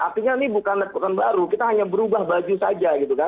artinya ini bukan rekuperan baru kita hanya berubah baju saja